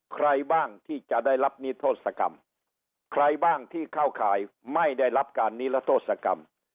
ใครบ้างที่จะได้รับนิทธศกรรมใครบ้างที่เข้าข่ายไม่ได้รับการนิรโทษกรรม